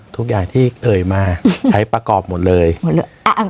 ทุกอย่างที่เอ่ยมาใช้ประกอบหมดเลยหมดเลยอ่า